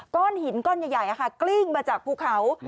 ก้อนหินก้อนใหญ่กลิ้งมาจากภูเขา